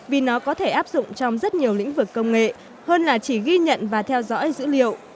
vì nó có thể áp dụng trong rất nhiều lĩnh vực công nghệ hơn là chỉ ghi nhận và theo dõi dữ liệu